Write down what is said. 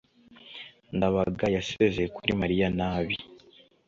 ndabaga yasezeye kuri mariya nabi